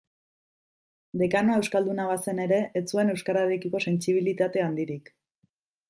Dekanoa euskalduna bazen ere, ez zuen euskararekiko sentsibilitate handirik.